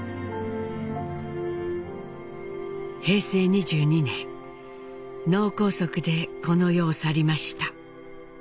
平成２２年脳梗塞でこの世を去りました。